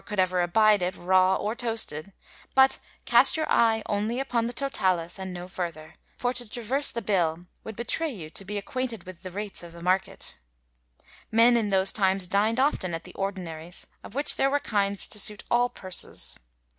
could ever abide it, raw or toasted : but cast your eye only upon the totalis, and no further ; for to traverse the bill would betray you to be acquainted with the rates of the market.'^ Men, in those times, dined often at the ' ordinaries,' of which there were kinds to suit all purses.